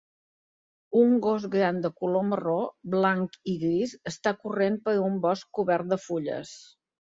Un gos gran de color marró, blanc i gris està corrent per un bosc cobert de fulles.